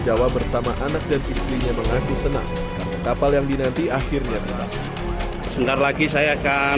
jawa bersama anak dan istrinya mengaku senang karena kapal yang dinanti akhirnya bebas sebentar lagi saya akan